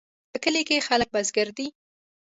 په کلي کې خلک بزګر دي